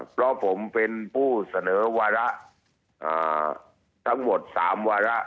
เพราะผมเป็นผู้เสนอวาระทั้งหมด๓วาระ